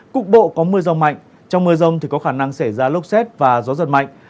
cục bộ có mưa rông mạnh trong mưa rông có khả năng sẽ ra lốc xét và gió dần mạnh